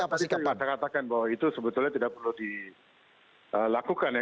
tadi saya katakan bahwa itu sebetulnya tidak perlu dilakukan ya